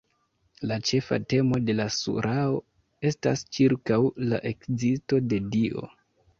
La ĉefa temo de la surao estas ĉirkaŭ la ekzisto de Dio.